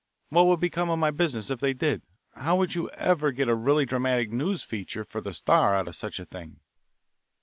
What would become of my business if they did? How would you ever get a really dramatic news feature for the Star out of such a thing?